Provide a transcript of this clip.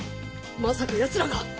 まさかやつらが。